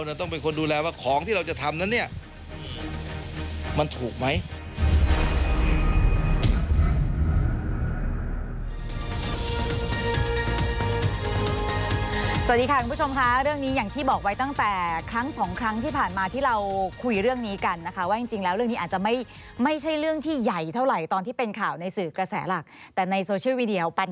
มันต้องเป็นคนดูแลว่าของที่เราจะทำนั้นเนี่ย